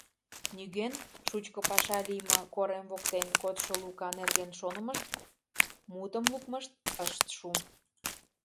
Нигӧн шучко паша лийме корем воктен кодшо Лука нерген шонымышт, мутым лукмышт ышт шу.